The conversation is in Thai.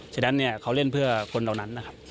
ฉะนั้นเนี่ยเขาเล่นเพื่อคนเหล่านั้นนะครับ